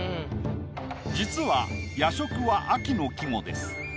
実は「夜食」は秋の季語です。